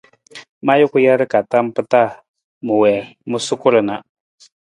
Ma juku jar ka tam mpa ma wii ma suku ra na.